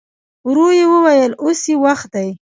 ورو يې وويل: اوس يې وخت دی.